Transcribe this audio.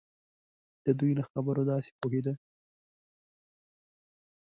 د دوی له خبرو داسې پوهېده.